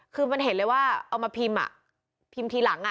คือมันเห็นเลยว่าเอามาพิมพ์อ่ะพิมพ์พิมพ์ทีหลังอ่ะ